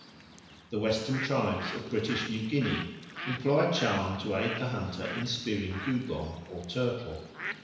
The western tribes of British New Guinea employ a charm to aid the hunter in spearing dugong or turtle.